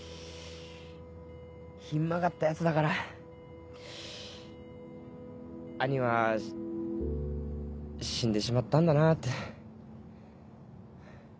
ひん曲がったヤツだから兄は死んでしまったんだなって。